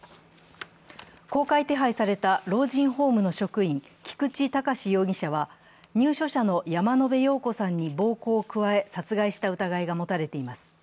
公開手配された老人ホームの職員・菊池隆容疑者は、入所者の山野辺陽子さんに暴行を加え殺害した疑いが持たれています。